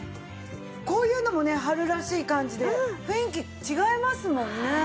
こういうのもね春らしい感じで雰囲気違いますもんね。